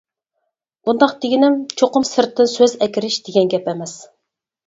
بۇنداق دېگىنىم، چوقۇم سىرتتىن سۆز ئەكىرىش دېگەن گەپ ئەمەس.